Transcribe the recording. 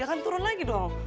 jangan turun lagi dong